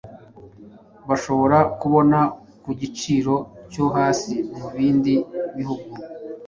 bashobora kubona ku giciro cyo hasi mu bindi bihugu.